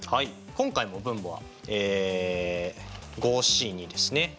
今回の分母はえＣですね。